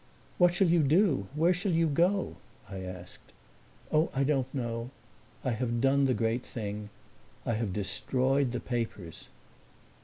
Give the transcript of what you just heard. "What shall you do where shall you go?" I asked. "Oh, I don't know. I have done the great thing. I have destroyed the papers."